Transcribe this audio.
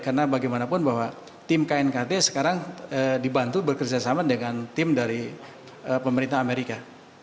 karena bagaimanapun bahwa tim knkt sekarang dibantu berkerjasama dengan tim dari pemerintah amerika